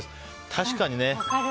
確かにね。